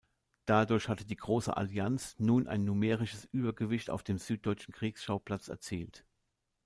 Dadurch hatte die Große Allianz nun ein numerisches Übergewicht auf dem süddeutschen Kriegsschauplatz erzielt.